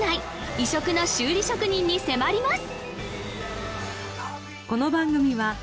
異色の修理職人に迫ります